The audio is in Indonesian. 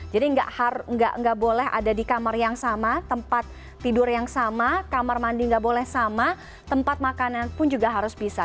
jadi nggak boleh ada di kamar yang sama tempat tidur yang sama kamar mandi nggak boleh sama tempat makanan pun juga harus bisa